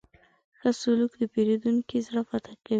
ښه سلوک د پیرودونکي زړه فتح کوي.